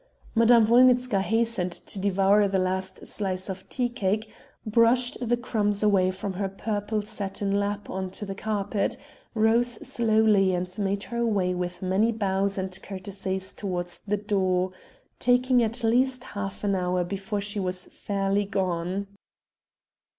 Madame Wolnitzka hastened to devour the last slice of tea cake, brushed the crumbs away from her purple satin lap on to the carpet, rose slowly, and made her way with many bows and courtesies towards the door, taking at least half an hour before she was fairly gone.